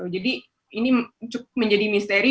jadi ini cukup menjadi misteri